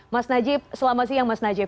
mas najib selamat siang mas najib